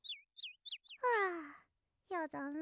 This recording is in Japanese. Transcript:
はあやだな。